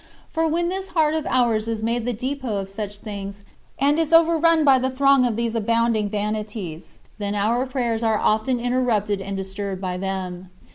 For when this heart of ours is made the depot of such things and is overrun by the throng of these abounding vanities, then our prayers are often interrupted and disturbed by them.